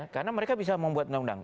karena mereka bisa membuat undang undang